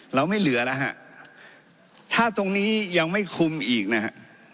เราไม่เหลือแล้วฮะถ้าตรงนี้ยังไม่คุมอีกนะฮะ